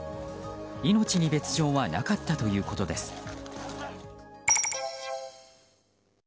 命に別条はなかったということです。